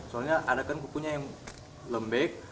soalnya ada kan kukunya yang lembek